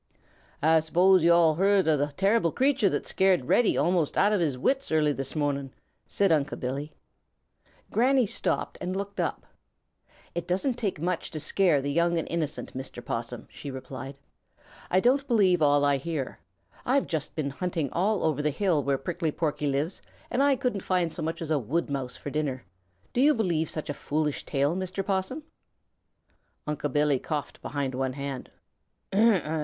"Ah suppose yo'all heard of the terrible creature that scared Reddy almost out of his wits early this mo'ning," said Unc' Billy. Granny stopped and looked up. "It doesn't take much to scare the young and innocent, Mr. Possum," she replied. "I don't believe all I hear. I've just been hunting all over the hill where Prickly Porky lives, and I couldn't find so much as a Wood Mouse for dinner. Do you believe such a foolish tale, Mr. Possum?" Unc' Billy coughed behind one hand.